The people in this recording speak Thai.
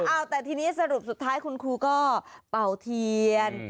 เอาแต่ทีนี้สรุปสุดท้ายคุณครูก็เป่าเทียน